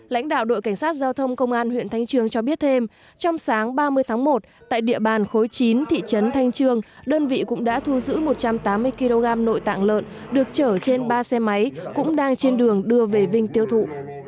lãnh đạo đội cảnh sát giao thông công an huyện thanh trương cho biết thêm trong sáng ba mươi tháng một tại địa bàn khối chín thị trấn thanh trương đơn vị cũng đã thu giữ một trăm tám mươi kg nội tạng lợn được chở trên ba xe máy cũng đang trên đường đưa về vinh tiêu thụ